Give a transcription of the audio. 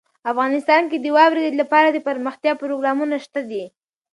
افغانستان کې د واورې لپاره دپرمختیا پروګرامونه شته دي.